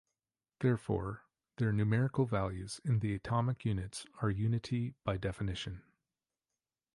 Therefore, their numerical values in the atomic units are unity by definition.